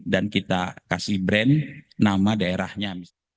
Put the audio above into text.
dan kita kasih brand nama daerahnya